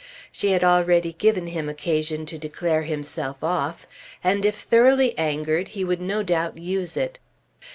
She had already given him occasion to declare himself off, and if thoroughly angered he would no doubt use it.